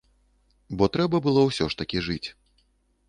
Бо трэба было ўсё ж такі жыць.